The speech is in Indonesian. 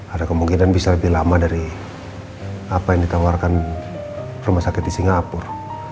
ada kemungkinan bisa lebih lama dari apa yang ditawarkan rumah sakit di singapura